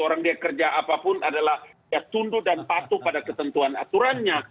orang dia kerja apapun adalah dia tunduk dan patuh pada ketentuan aturannya